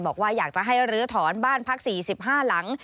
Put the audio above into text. บอกว่าอยากจะให้ลื้อถอนบ้านพัก๔๕หลัง